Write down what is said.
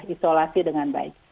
isolasi dengan baik